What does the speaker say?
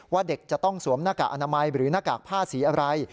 เด็กจะต้องสวมหน้ากากอนามัยหรือหน้ากากผ้าสีอะไร